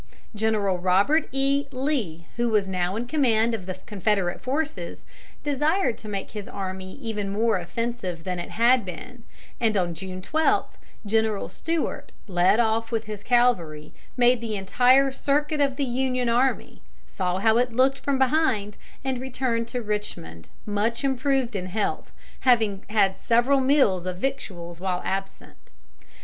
General Robert E. Lee, who was now in command of the Confederate forces, desired to make his army even more offensive than it had been, and on June 12 General Stuart led off with his cavalry, made the entire circuit of the Union army, saw how it looked from behind, and returned to Richmond, much improved in health, having had several meals of victuals while absent.